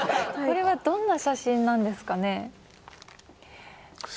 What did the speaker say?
これはどんな写真なんですかね？